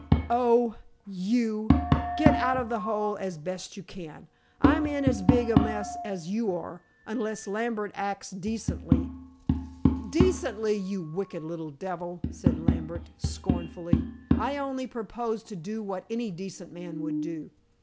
"Oh, you, get out of the hole as best you can! I'm in as big a mess as you are, unless Lambert acts decently." "Decently, you wicked little devil," said Lambert scornfully. "I only propose to do what any decent man would do.